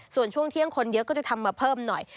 ส่วนช่วงเที่ยงคนเยอะก็จะทำมาเพิ่มหน่อย